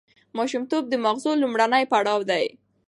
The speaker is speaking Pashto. ماشومتوب د ماغزو لومړنی پړاو دی.